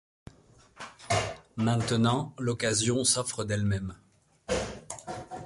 Maintenant l’occasion s’offre d’elle-même.